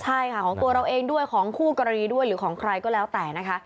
ใช่ค่ะของตัวเราเองด้วยของคู่กรณีด้วยหรือของใครก็แล้วแต่นะคะ